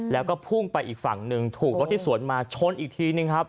แล้วก็พุ่งไปอีกฝั่งหนึ่งถูกรถที่สวนมาชนอีกทีนึงครับ